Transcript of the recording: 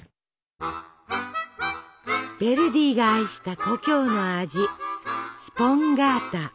ヴェルディが愛した故郷の味スポンガータ。